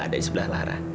udah ada di sebelah lara